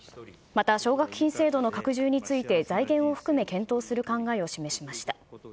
また奨学金制度の拡充について、財源を含め検討する考えを示しました。